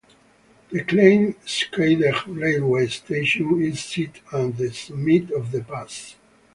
The Kleine Scheidegg railway station is sited at the summit of the pass.